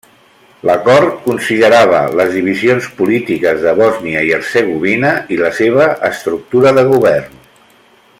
L'acord considerava les divisions polítiques de Bòsnia i Hercegovina i la seva estructura de govern.